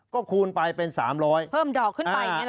ก็คูณไปเป็น๓๐๐บาท